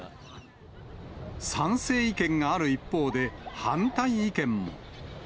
賛成意見がある一方で、反対意見も。